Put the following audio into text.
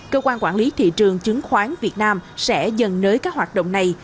cơ quan quản lý thị trường chứng khoán việt nam sẽ dần nới các hoạt động này